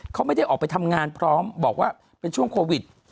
เขาไม่ได้ออกไปทำงานพร้อมบอกว่าเป็นช่วงโควิด